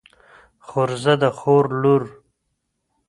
خورزه د خور لور